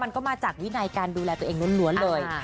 มันก็มาจากวินัยการดูแลตัวเองล้วนเลย